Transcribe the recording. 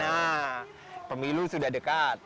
nah pemilu sudah dekat